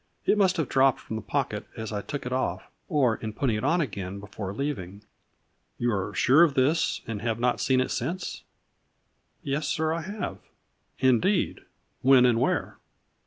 It must have dropped from the pocket as I took it off, or in putting it on again before leaving." " You are sure of this and have not seen it since ?" 68 A FLURRY IN DIAMONDS. " Yes, sir, I have." " Indeed, when and where